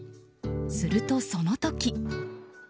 すると、その時。